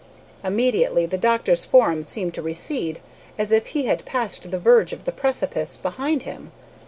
"Immediately the doctor's form seemed to recede, as if he had passed the verge of the precipice behind him.